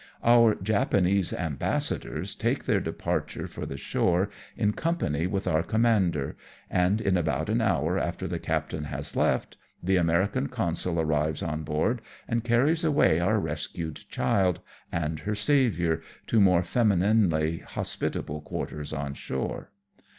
Our Japanese Ambassadors take their departure for the shore in company with our commander, and in about an hour after the captain has left, the American Consul arrives on board, and carries away our rescued child and her saviour to more femininely hospitable quarters on shore.